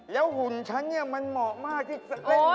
แล้วหุ่นฉันเนี่ยมันเหมาะมากที่จะเล่นหนังบู